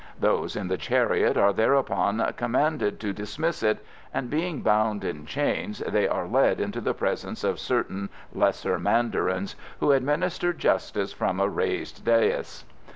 Those in the chariot are thereupon commanded to dismiss it, and being bound in chains they are led into the presence of certain lesser mandarins who administer justice from a raised dais.